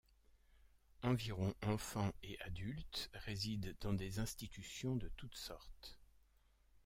Environ enfants et adultes résident dans des institutions de toutes sortes.